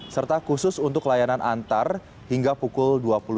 serta khusus untuk layanan antar hingga pukul dua puluh